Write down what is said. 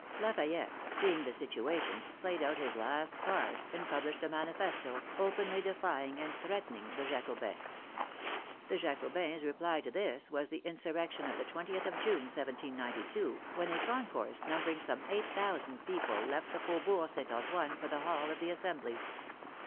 Lafayette, seeing the situation, played out his last card, and published a manifesto, openly defy ing and threatening the Jacobins. The Jacobins' reply to this was the insurrection of the 20th of June, 1792, when a concourse numbering some 8,000 people left the Fau bourg St. Antoine for the hall of the Assembly.